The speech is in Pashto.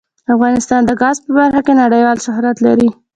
افغانستان د ګاز په برخه کې نړیوال شهرت لري.